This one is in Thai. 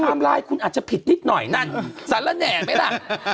แต่คำลายคุณอาจจะผิดนิดหน่อยนั่นสารแหน่งไปล่ะ